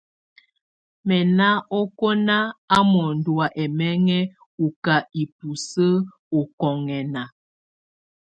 Mɛ ná ɔkana a mɔndɔ wa ɛmɛŋɛ ù ká ibùsǝ u ɔkɔŋɛna.